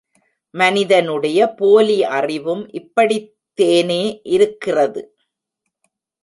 மனிதனுடைய போலி அறிவும் இப்படித்தேனே இருக்கிறது!